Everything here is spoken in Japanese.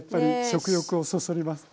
食欲をそそります。